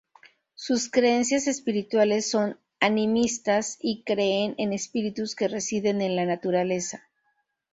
Sus creencias espirituales son animistas y creen en espíritus que residen en la naturaleza.